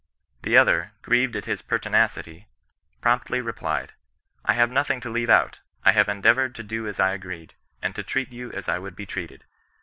The other, grieved at his pertinacity, promptly replied :" I have nothing to leave out ; I have endeavoured to do as I agreed, and to treat you as I would be treated.